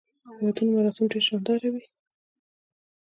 د ودونو مراسم ډیر شاندار وي.